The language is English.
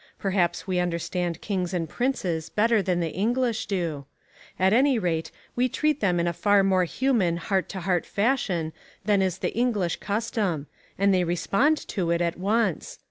Perhaps we understand kings and princes better than the English do. At any rate we treat them in a far more human heart to heart fashion than is the English custom, and they respond to it at once.